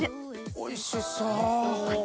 おいしそう！